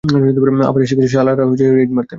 আবার এসে গেছে শালারা রেইড মারতে!